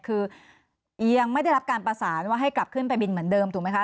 คือยังไม่ได้รับการประสานว่าให้กลับขึ้นไปบินเหมือนเดิมถูกไหมคะ